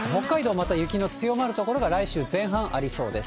また雪の強まる所が来週前半ありそうです。